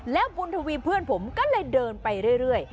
แล้วบุญทวีเพื่อนผมก็เลยเดินไปเรื่อย